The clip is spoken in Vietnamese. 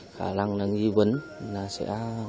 và lặng lặng ghi vấn là sẽ